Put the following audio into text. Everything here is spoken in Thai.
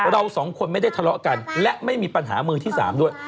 เราสองคนไม่ได้ทะเลาะกันและไม่มีปัญหามือที่๓ด้วย